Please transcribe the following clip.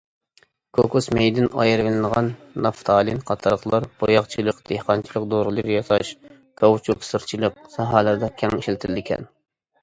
كوكۇس مېيىدىن ئايرىۋېلىنغان نافتالىن قاتارلىقلار بوياقچىلىق، دېھقانچىلىق دورىلىرى ياساش، كاۋچۇك، سىرچىلىق ساھەلىرىدە كەڭ ئىشلىتىلىدىكەن.